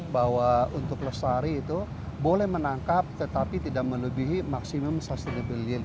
bahwa untuk pelestari itu boleh menangkap tetapi tidak melebihi maksimum sustainable yield